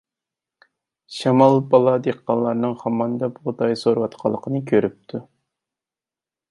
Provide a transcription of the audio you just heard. شامال بالا دېھقانلارنىڭ خاماندا بۇغداي سورۇۋاتقانلىقىنى كۆرۈپتۇ.